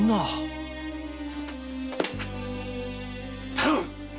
頼む！